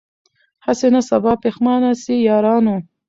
هسي نه سبا پښېمانه سی یارانو